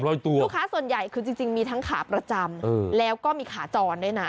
ลูกค้าส่วนใหญ่คือจริงมีทั้งขาประจำแล้วก็มีขาจรด้วยนะ